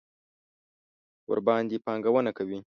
ورباندې پانګونه کوي.